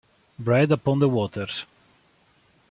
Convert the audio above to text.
Bread Upon the Waters